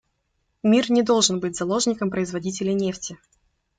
Мир не должен быть заложником производителей нефти.